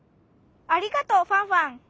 ありがとうファンファン。